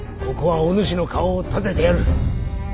ここはおぬしの顔を立ててやる。